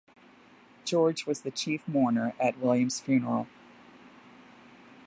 George was the chief mourner at William's funeral.